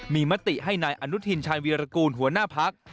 มีมติให้นายอนุทินชายวีรกูลหัวหน้าพัก